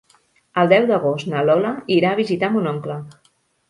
El deu d'agost na Lola irà a visitar mon oncle.